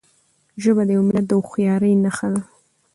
ژبه د یو ملت د هوښیارۍ نښه ده.